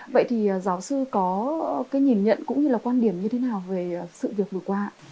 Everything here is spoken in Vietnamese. vậy thì giáo sư có cái nhìn nhận cũng như là quan điểm như thế nào về sự việc vừa qua ạ